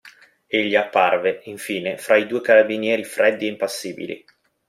Egli apparve, infine, fra i due carabinieri freddi e impassibili.